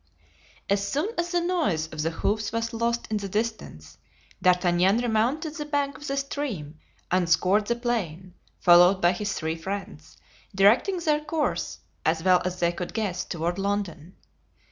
As soon as the noise of the hoofs was lost in the distance D'Artagnan remounted the bank of the stream and scoured the plain, followed by his three friends, directing their course, as well as they could guess, toward London.